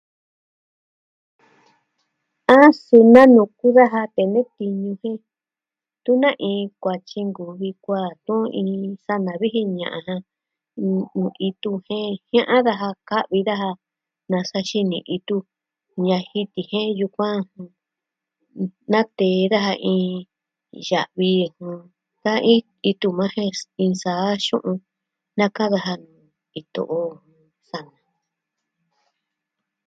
A su na'nu kuu daja tee nee tiñu jen tun na iin kuatyu nkuvi kuaa tuni ini sa navijin ña'an ja. Nuu itu jen jia'an daja, ka'vi daja nasa xinee itu ñaji tijee yukuan. Natee daja iin ya'vi iin ta'in iin tu maa jen nsa'a xu'un. Naka daja iin to'o sa.